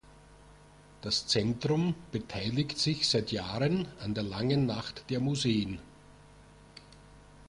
Das Zentrum beteiligt sich seit Jahren an der Langen Nacht der Museen.